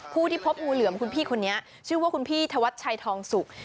ผู้ที่พบงูเหลือมคุณพี่คนนี้ชื่อว่าคุณพี่ธวัชชัยทองสุก